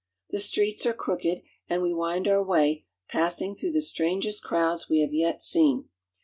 The streets are crooked and wc wind our way, passing through the strangest crowds we have yet seen.